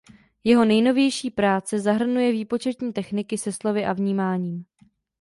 Jeho nejnovější práce zahrnuje výpočetní techniky se slovy a vnímáním.